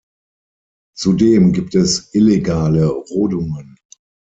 Zudem gibt es illegale Rodungen.